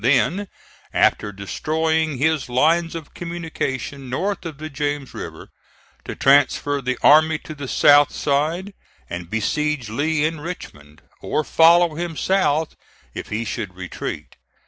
Then, after destroying his lines of communication north of the James River, to transfer the army to the south side, and besiege Lee in Richmond, or follow him south if he should retreat.